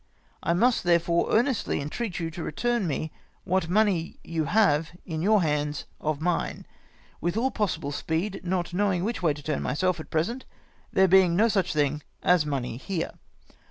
I must there fore earnestly entreat you to return me what money you have in your hands of mine, with all possible speed, not knowing which way to turn myself at present, there being no such thing as money here.